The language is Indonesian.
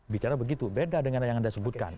bicara begitu beda dengan yang anda sebutkan